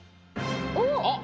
おっ！